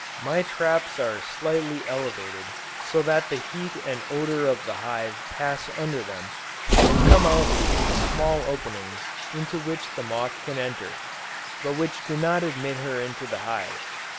My traps are slightly elevated, so that the heat and odor of the hive pass under them, and come out through small openings into which the moth can enter, but which do not admit her into the hive.